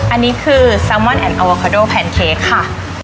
อันนี้คือแซลมอนแอนอโวคาโดแพนเค้กค่ะ